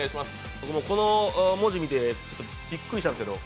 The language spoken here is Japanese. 僕、この文字見てびっくりしたんですけど。